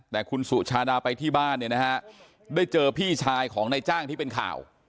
แต่คุณสุชาดาไปที่บ้านเนี่ยนะฮะได้เจอพี่ชายของนายจ้างที่เป็นข่าว